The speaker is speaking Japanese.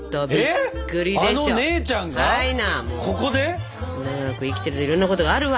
長く生きてるといろんなことがあるわ。